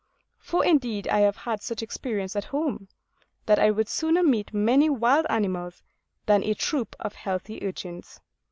For indeed I have had such experience at home, that I would sooner meet many wild animals than a troop of healthy urchins.